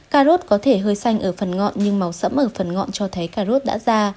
cà rốt có thể hơi xanh ở phần ngọn nhưng màu sẫm ở phần ngọn cho thấy cà rốt đã ra